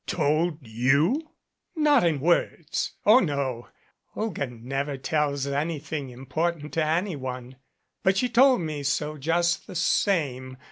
"Told you?" "Not in words. Oh, no. Olga never tells anything 217 MADCAP important to anyone. But she told me so just the same.